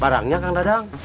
barangnya kak dadang